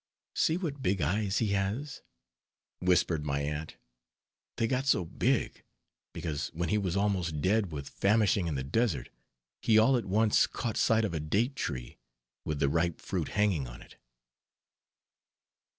"See what big eyes he has," whispered my aunt, "they got so big, because when he was almost dead with famishing in the desert, he all at once caught sight of a date tree, with the ripe fruit hanging on it."